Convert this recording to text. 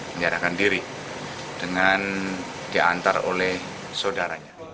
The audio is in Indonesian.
menyerahkan diri dengan diantar oleh saudaranya